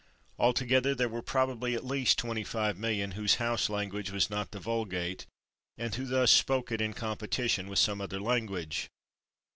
Altogether, there were probably at least 25,000,000 whose house language was not the vulgate, and who thus spoke it in competition with some other language.